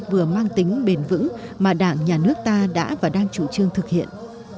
vừa mang tính bền vững mà đảng nhà nước ta đã và đang chủ trương thực hiện